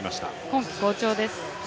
今季好調です。